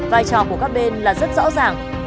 vai trò của các bên là rất rõ ràng